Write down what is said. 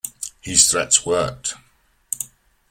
His threats worked.